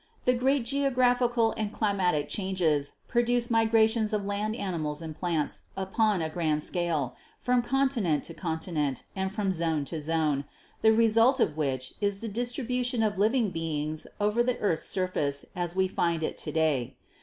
The great geographical and climatic changes produced migrations of land animals and plants upon a grand scale, from continent to continent and from zone to zone, the result of which is the distribution of living beings over the earth's surface as we find it to day."